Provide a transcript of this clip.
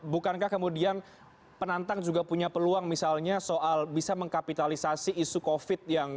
bukankah kemudian penantang juga punya peluang misalnya soal bisa mengkapitalisasi isu covid yang